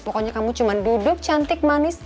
pokoknya kamu cuma duduk cantik manis